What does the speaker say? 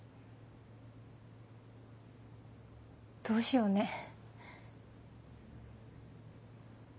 どうしようね。